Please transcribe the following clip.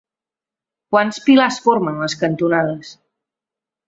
Quants pilars formen les cantonades?